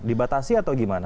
dibatasi atau gimana